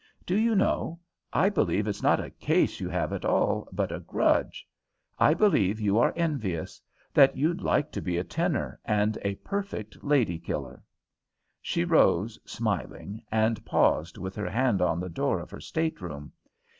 Do you know, I believe it's not a case you have at all, but a grudge. I believe you are envious; that you'd like to be a tenor, and a perfect lady killer!" She rose, smiling, and paused with her hand on the door of her stateroom.